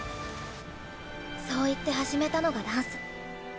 そう言って始めたのがダンス。